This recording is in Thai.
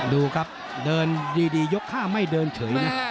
ดูครับเดินดียก๕ไม่เดินเฉยนะ